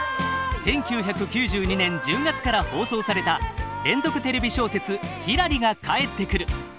１９９２年１０月から放送された連続テレビ小説「ひらり」が帰ってくる！